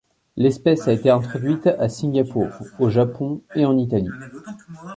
L'espèce a été introduite à Singapour, au Japon et en Italie.